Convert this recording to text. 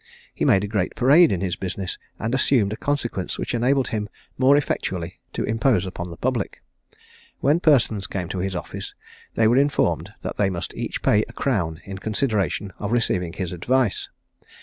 He made a great parade in his business, and assumed a consequence which enabled him more effectually to impose upon the public. When persons came to his office, they were informed that they must each pay a crown in consideration of receiving his advice.